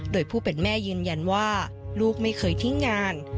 โดยผู้เป็นแม่ยืนยันว่าลูกไม่เคยทิ้งงาน